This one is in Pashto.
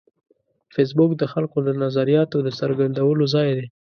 فېسبوک د خلکو د نظریاتو د څرګندولو ځای دی